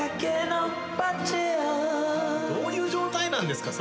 どういう状態なんですか？